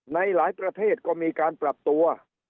ในหลายประเทศก็มีการปรับตัว